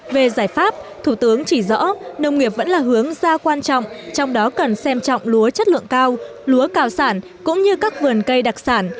về giải pháp thủ tướng chỉ rõ nông nghiệp vẫn là hướng ra quan trọng trong đó cần xem trọng lúa chất lượng cao lúa cao sản cũng như các vườn cây đặc sản